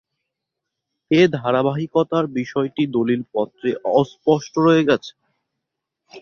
এ ধারাবাহিকতার বিষয়টি দলিলপত্রে অস্পষ্ট রয়ে গেছে।